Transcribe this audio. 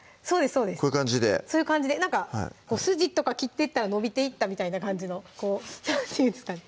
そうですこういう感じで筋とか切っていったら伸びていったみたいな感じのこう何て言うんですかね